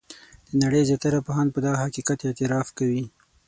د نړۍ زیاتره پوهان په دغه حقیقت اعتراف کوي.